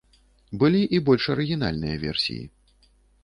Былі і больш арыгінальныя версіі.